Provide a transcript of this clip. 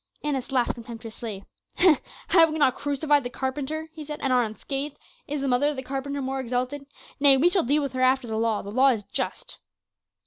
Annas laughed contemptuously. "Have we not crucified the carpenter?" he said, "and are unscathed; is the mother of the carpenter more exalted? Nay, we shall deal with her after the law; the law is just."